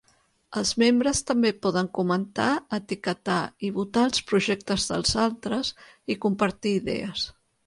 Els membres també poden comentar, etiquetar i votar els projectes dels altres, i compartir idees.